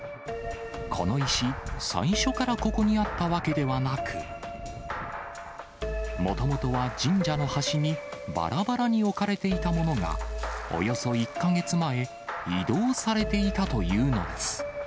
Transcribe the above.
この石、最初からここにあったわけではなく、もともとは神社の端にばらばらに置かれていたものが、およそ１か月前、移動されていたというのです。